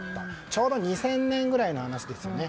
ちょうど２０００年ぐらいの話ですよね。